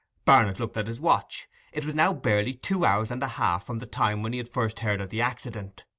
Barnet looked at his watch; it was now barely two hours and a half from the time when he had first heard of the accident.